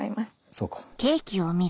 そうか。